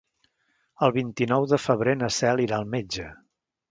El vint-i-nou de febrer na Cel irà al metge.